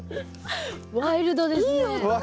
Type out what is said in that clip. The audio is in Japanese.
ワイルドですね。